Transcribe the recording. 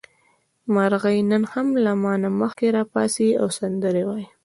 مرغۍ نن هم له ما نه مخکې راپاڅي او سندرې وايي.